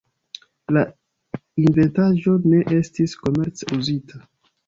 La inventaĵo ne estis komerce uzita.